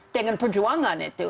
dengan perjuangan itu